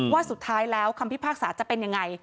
ว่าสุดท้ายแล้วคำพิพากษาจะเป็นยังไง